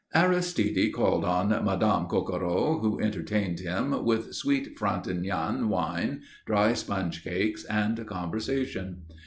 Aristide called on Madame Coquereau, who entertained him with sweet Frontignan wine, dry sponge cakes and conversation.